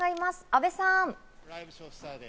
阿部さん！